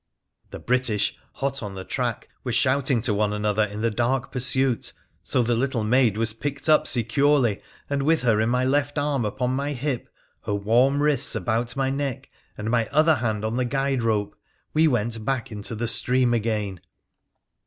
The British, hot on the track, were shouting to one another in the dark pursuit, so the little maid was picked up securely, and, with her in my left arm upon my hip, her warm wrists about my neck, and my other hand on the guide rope, we went back into the stream again.